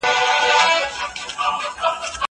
زه د کتابتوننۍ سره مرسته کړې ده!؟